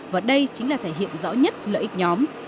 và đây chính là thể hiện rõ nhất lợi ích nhóm